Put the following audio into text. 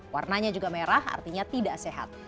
warnanya juga merah artinya tidak sehat